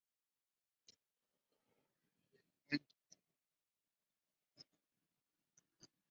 La puerta de acceso se encuentra en el muro occidental, bajo la espadaña.